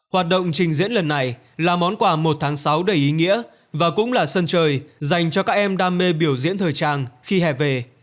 hoạt động trình diễn lần này là món quà một tháng sáu đầy ý nghĩa và cũng là sân chơi dành cho các em đam mê biểu diễn thời trang khi hè về